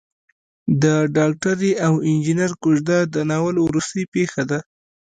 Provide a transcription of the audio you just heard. د ډاکټرې او انجنیر کوژده د ناول وروستۍ پېښه ده.